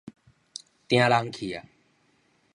定人去矣